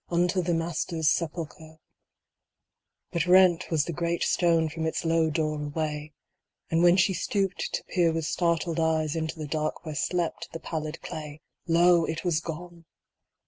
Unto the Master's sepulchre ! But rent Was the great stone from its low door away ; And when she stooped to peer with startled eyes Into the dark where slept the pallid clay, Lo, it was gone